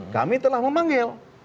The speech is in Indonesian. kami telah memanggil